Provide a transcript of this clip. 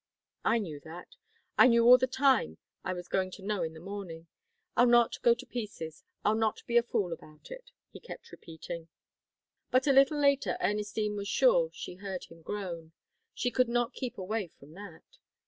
I knew that. I knew all the time I was going to know in the morning. I'll not go to pieces. I'll not be a fool about it," he kept repeating. But a little later Ernestine was sure she heard him groan. She could not keep away from that.